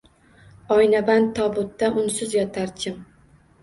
Oynaband tobutda unsiz yotar, jim